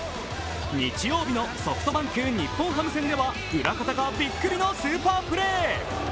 日曜日のソフトバンク×日本ハム戦では裏方がびっくりのスーパープレー。